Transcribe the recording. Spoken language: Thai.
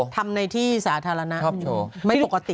ทำในที่สาธารณะไม่ปกติ